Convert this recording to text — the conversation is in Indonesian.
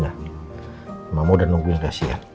nah mama udah nunggu yang kasih ya